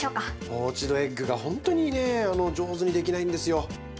ポーチドエッグがほんとにね上手にできないんですよ。